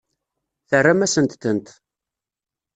Terram-asent-tent.